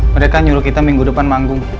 mereka nyuruh kita minggu depan manggung